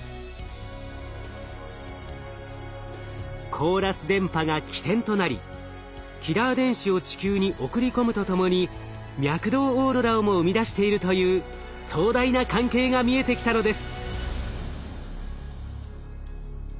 コーラス電波が起点となりキラー電子を地球に送り込むとともに脈動オーロラをも生み出しているという壮大な関係が見えてきたのです。